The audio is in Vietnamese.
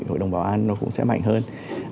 hội đồng bảo an nó cũng sẽ mạnh hơn